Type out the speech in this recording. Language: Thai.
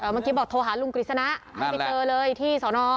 เมื่อกี้บอกโทรหาลุงกฤษณะให้ไปเจอเลยที่สอนอ